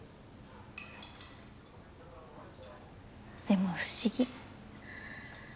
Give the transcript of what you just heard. でも不思議。